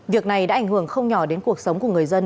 việc này đã ảnh hưởng không nhỏ đến cuộc sống của người dân